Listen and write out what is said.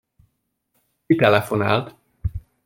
Ki telefonált?